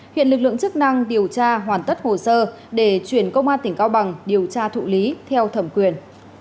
hiện lực lượng chức năng điều tra hoàn tất hồ sơ để chuyển công an tỉnh cao bằng điều tra thụ lý theo thẩm quyền